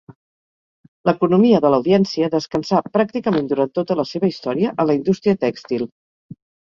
L'economia de l'audiència descansà pràcticament durant tota la seva història en la indústria tèxtil.